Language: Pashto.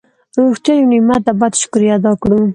روغتیا یو نعمت ده باید شکر یې ادا کړو.